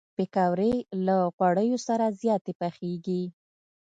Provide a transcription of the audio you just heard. پکورې له غوړیو سره زیاتې پخېږي